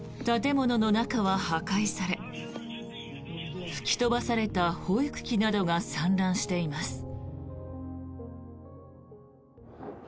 建物の中は破壊され吹き飛ばされた保育器などが散乱しています。